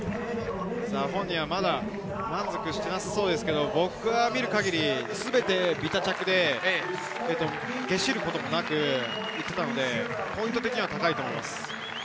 まだ満足していなさそうですけれど、全てビタ着で、ゲシることもなくいっていたので、ポイント的には高いと思います。